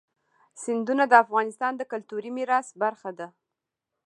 سیندونه د افغانستان د کلتوري میراث برخه ده.